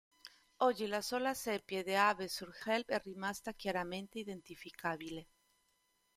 Oggi la sola "siepe" di Avesnes-sur-Helpe è rimasta chiaramente identificabile.